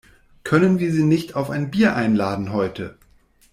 Können wir sie nicht auf ein Bier einladen heute?